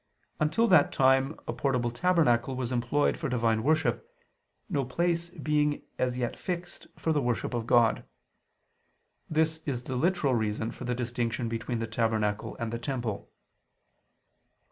Until that time a portable tabernacle was employed for divine worship, no place being as yet fixed for the worship of God. This is the literal reason for the distinction between the tabernacle and the temple.